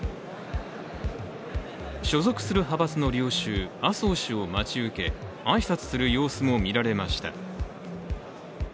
所属する派閥の領袖、麻生氏を待ち受け挨拶する様子も見られました。